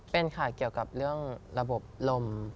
เป็นค่ะเกี่ยวกับเรื่องระบบลม